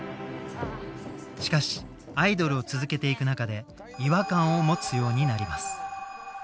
しかしアイドルを続けていく中で違和感を持つようになります。